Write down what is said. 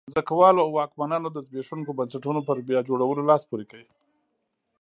ځمکوالو واکمنانو د زبېښونکو بنسټونو پر بیا جوړولو لاس پورې کړ.